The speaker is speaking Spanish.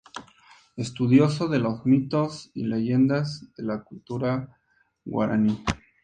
Estudioso de los mitos y leyendas de la cultura guaraní.